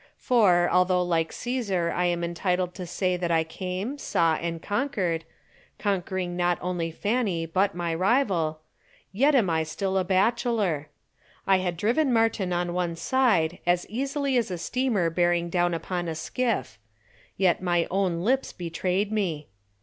For, although like Cæsar I am entitled to say that I came, saw, and conquered, conquering not only Fanny but my rival, yet am I still a bachelor. I had driven Martin on one side as easily as a steamer bearing down upon a skiff, yet my own lips betrayed me.